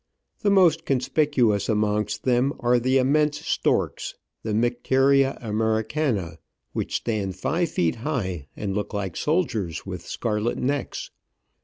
The most conspicuous amongst them are the immense storks, the Myderia Americana^ which stand five feet high, and look like soldiers with scarlet necks.